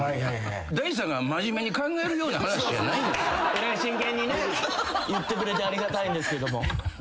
えらい真剣に言ってくれてありがたいんですけども。